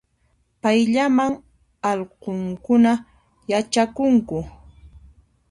Payllaman allqunkuna yachakunku